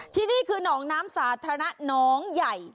ที่นี่คือหนองน้ำสาธารณะน้องใหญ่